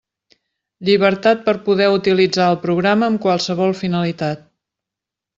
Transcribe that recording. Llibertat per poder utilitzar el programa amb qualsevol finalitat.